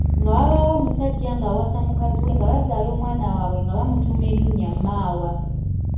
Nga wabaawo omusajja ng’awasa mukazi we nga bazaala omwana waabwe nga bamutuuma erinnya Maawa.